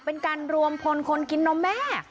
เป็นการรวมพลคนกินนมแม่